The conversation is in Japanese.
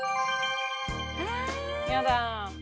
やだ。